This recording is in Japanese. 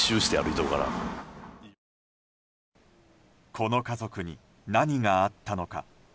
この家族に何があったのか。